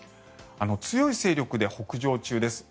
強い勢力で北上中です。